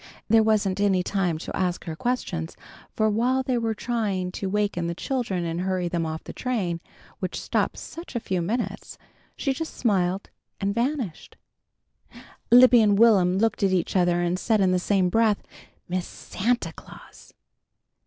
There wasn't any time to ask her questions, for while they were trying to waken the children and hurry them off the train which stopped such a few minutes, she just smiled and vanished. Libby and Will'm looked at each other and said in the same breath, "Miss Santa Claus!"